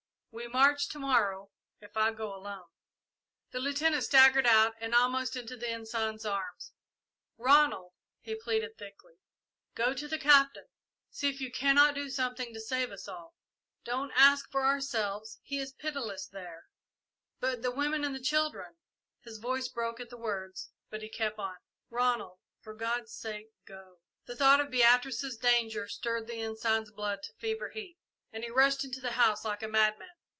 We march to morrow, if I go alone!" The Lieutenant staggered out and almost into the Ensign's arms. "Ronald," he pleaded thickly, "go to the Captain. See if you cannot do something to save us all. Don't ask for ourselves he is pitiless there but the women and the children " His voice broke at the words, but he kept on. "Ronald, for God's sake, go!" The thought of Beatrice's danger stirred the Ensign's blood to fever heat, and he rushed into the house like a madman.